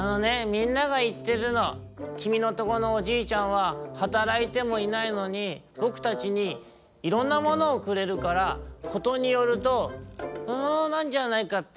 みんながいってるのきみのとこのおじいちゃんははたらいてもいないのにぼくたちにいろんなものをくれるからことによるとなんじゃないかって。